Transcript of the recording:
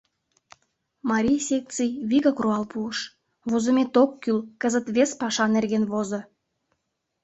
Марий секций вигак руал пуыш: «Возымет ок кӱл, кызыт вес паша нерген возо».